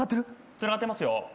つながってますよ。